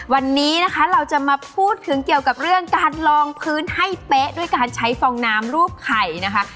วันนี้นะคะเราจะมาพูดถึงเกี่ยวกับเรื่องการลองพื้นให้เป๊ะด้วยการใช้ฟองน้ำรูปไข่นะคะ